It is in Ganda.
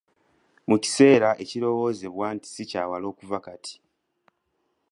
Mu kiseera ekirowoozebwa nti ssi kyewala okuva kati.